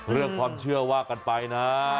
เรื่องความเชื่อว่ากันไปนะ